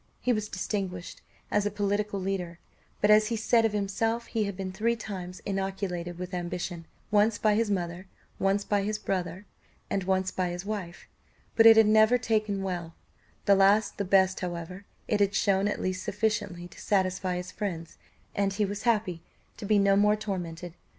He was distinguished as a political leader but, as he said of himself, he had been three times inoculated with ambition once by his mother, once by his brother, and once by his wife; but it had never taken well; the last the best, however, it had shown at least sufficiently to satisfy his friends, and he was happy to be no more tormented.